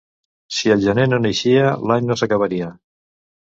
Si el gener no naixia, l'any no s'acabaria.